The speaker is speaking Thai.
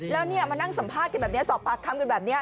แล้วเนี่ยมานั่งสัมภาษณ์กันแบบนี้สอบปากคำกันแบบนี้